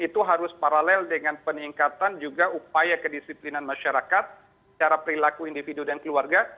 itu harus paralel dengan peningkatan juga upaya kedisiplinan masyarakat secara perilaku individu dan keluarga